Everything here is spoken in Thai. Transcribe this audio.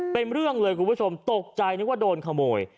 เป็นเรื่องเลยคุณผู้ชมตกใจนึกว่าโดนขโมย